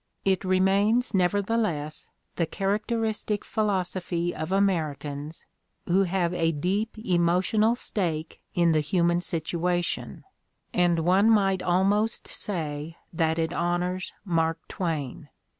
It remains, nevertheless, the characteristic philosophy of Americans who have a deep emotional stake in the human situation; and one might almost say that it honors Mark Twain.